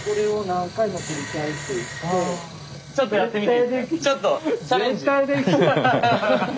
ちょっとやってみて。